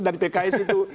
dari pks itu